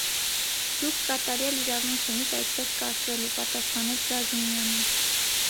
- Դուք կատարյալ իրավունք ունիք այդպես կարծելու,- պատասխանեց Զազունյանը: